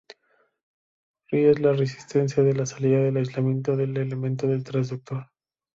Ri es la resistencia de la salida del aislamiento del elemento del transductor.